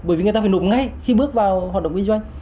bởi vì người ta phải nộp ngay khi bước vào hoạt động kinh doanh